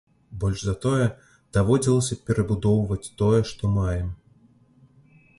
Больш за тое, даводзілася перабудоўваць тое, што маем.